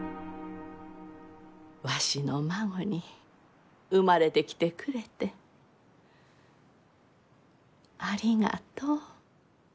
わしの孫に生まれてきてくれてありがとう。